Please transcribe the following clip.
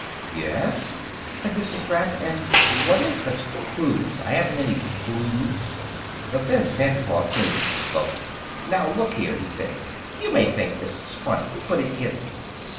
"Yes?" said Mrs. Gratz. "And what is it, such cloos? I haven't any clooses." The thin Santa Claus seemed provoked. "Now, look here!" he said. "You may think this is funny, but it isn't.